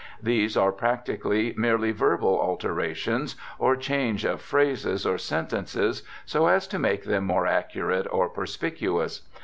These are practically merely verbal alterations or change of phrases or sentences so as to make them more accurate or perspicuous.